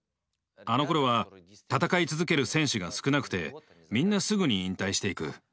あのころは戦い続ける選手が少なくてみんなすぐに引退していく。